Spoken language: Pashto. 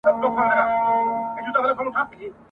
شپه او ورځ يې په كورونو كي ښادي وه !.